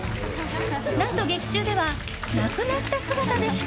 何と、劇中では亡くなった姿でしか